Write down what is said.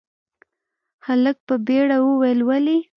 هلک په بيړه وويل، ولې؟